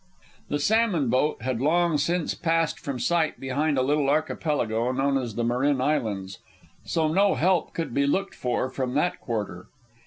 The salmon boat had long since passed from sight behind a little archipelago known as the Marin Islands, so no help could be looked for from that quarter.